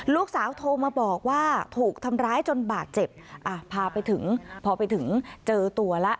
ลูกสาวโทรมาบอกว่าถูกทำร้ายจนบาดเจ็บอ่ะพาไปถึงพอไปถึงเจอตัวแล้ว